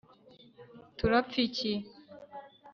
turapfa iki